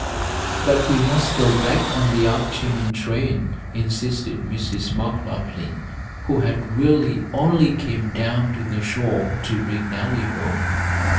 "But we must go back on the afternoon train," insisted Mrs. McLaughlin, who had really only come down to the shore to bring Nellie home.